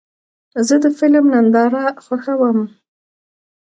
زه د فلم ننداره خوښوم.